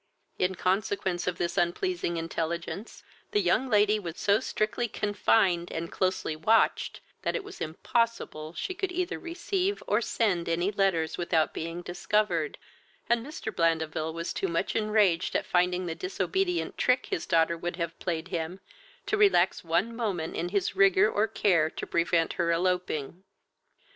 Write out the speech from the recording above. In consequence of this unpleasing intelligence, the young lady was so strictly confined and closely watched, that it was impossible she could either receive or send any letters without being discovered, and Mr. Blandeville was too much enraged at finding the disobedient trick his daughter would have played him, to relax on moment in his rigour or care to prevent her eloping.